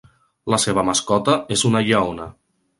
La seva mascota és una lleona.